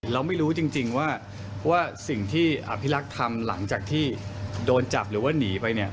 เราไม่รู้จริงว่าสิ่งที่อภิรักษ์ทำหลังจากที่โดนจับหรือว่าหนีไปเนี่ย